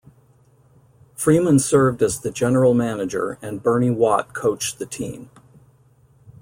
Freeman served as the general manager and Bernie Watt coached the team.